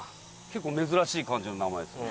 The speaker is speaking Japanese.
結構珍しい感じの名前ですね。